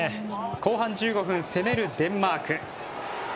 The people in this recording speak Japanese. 後半１５分攻めるデンマーク。